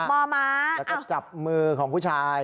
และก็จับมือของผู้ชาย